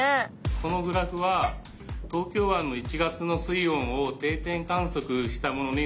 このグラフは東京湾の１月の水温を定点観測したものになっています。